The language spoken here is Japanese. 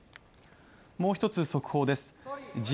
もう一つ速報です。